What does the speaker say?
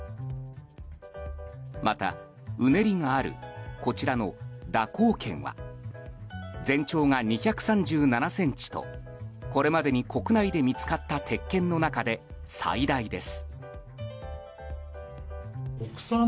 また、うねりがあるこちらの蛇行剣は全長が２３７ｃｍとこれまでに国内で見つかった鉄剣の中で最大です。